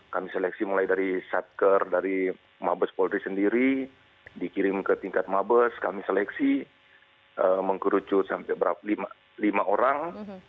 kami seleksi mulai dari satker dari mabes polri sendiri dikirim ke tingkat mabes kami seleksi mengkerucut sampai berapa lima orang